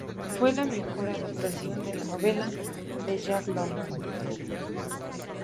Fue la mejor adaptación de la novela de Jack London.